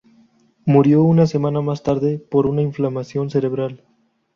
Murió una semana más tarde por una inflamación cerebral.